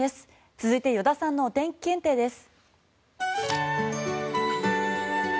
続いて依田さんのお天気検定です。